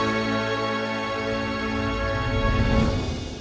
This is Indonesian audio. saya ingin berterima kasih kepada bapak